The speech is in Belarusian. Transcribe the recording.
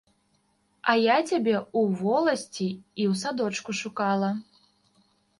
А я цябе ў воласці і ў садочку шукала.